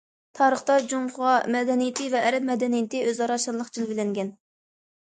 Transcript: تارىختا، جۇڭخۇا مەدەنىيىتى ۋە ئەرەب مەدەنىيىتى ئۆزئارا شانلىق جىلۋىلەنگەن.